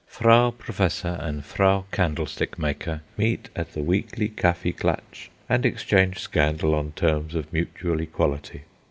Frau Professor and Frau Candlestickmaker meet at the Weekly Kaffee Klatsch and exchange scandal on terms of mutual equality.